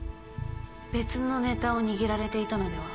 別のネタを握られていたのでは？